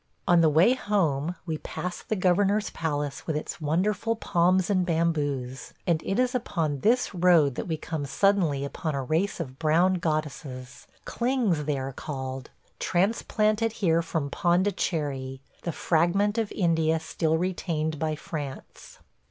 On the way home we pass the governor's palace with its wonderful palms and bamboos, and it is upon this road that we come suddenly upon a race of brown goddesses – Klings they are called – transplanted here from Pondicherry, the fragment of India still retained by France.